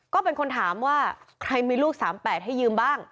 ก็เป็นคนถามว่าใครมีลูก๓๘ให้ยืมบ้าง